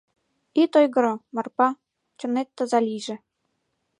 «Ит ойгыро, Марпа, чонет таза лийже!»